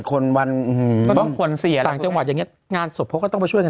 ขวัญตากจังหวัดเขาคงผูกวันไว้